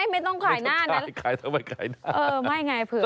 ต่อไปต้องขายอะไรอ่ะคุณขายใบขายหน้าไหมไม่ต้องขายหน้านะ